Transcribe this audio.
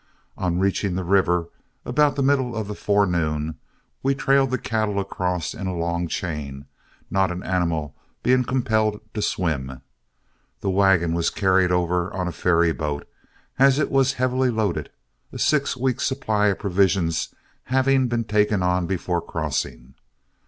On reaching the river about the middle of the forenoon, we trailed the cattle across in a long chain, not an animal being compelled to swim. The wagon was carried over on a ferryboat, as it was heavily loaded, a six weeks' supply of provisions having been taken on before crossing.